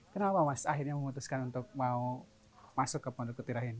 kenapa mas akhirnya memutuskan untuk mau masuk ke pondok ketirah ini